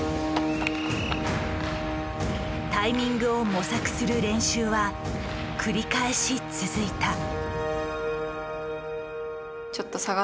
タイミングを模索する練習は繰り返し続いた。